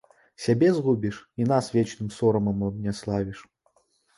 Сябе згубіш і нас вечным сорамам абняславіш.